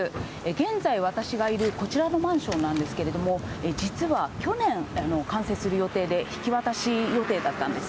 現在、私がいるこちらのマンションなんですけれども、実は去年、完成する予定で、引き渡し予定だったんです。